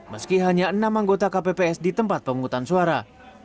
meski hanya enam anggota kpps di tempat pemungutan suara